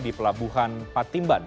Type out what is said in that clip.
di pelabuhan patimban